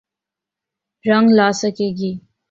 رنگ لا سکے گی۔